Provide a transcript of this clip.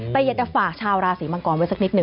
แต่อยากจะฝากชาวราศีมังกรไว้สักนิดหนึ่ง